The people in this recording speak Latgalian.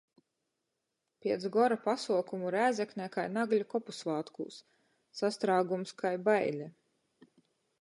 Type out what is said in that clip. Piec “Gora” pasuokumu Rēzeknē kai Nagļu kopusvātkūs - sastrāgums kai baile!